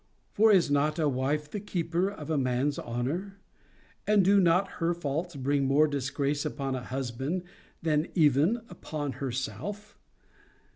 For is not a wife the keeper of a man's honour? And do not her faults bring more disgrace upon a husband than even upon herself?'